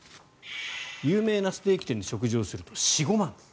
有名なステーキ店で食事をすると４５万円。